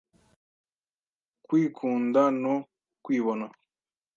Ukwikunda no kwibona,